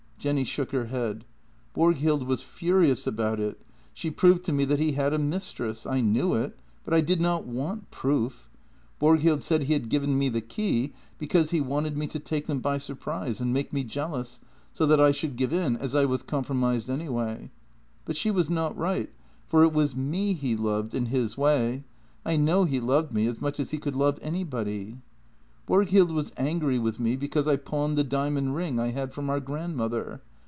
Jenny shook her head. " Borghild was furious about it. She proved to me that he had a mistress. I knew it, but I did not want proof. Borg hild said he had given me the key, because he wanted me to take them by surprise, and make me jealous, so that I should give in, as I was compromised anyway. But she was not right, for it was me he loved — in his way — I know he loved me as much as he could love anybody. " Borghild was angry with me because I pawned the diamond ring I had from our grandmother.